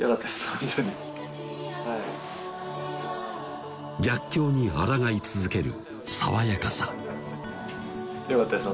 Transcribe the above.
ホントにはい逆境にあらがい続ける爽やかさよかったです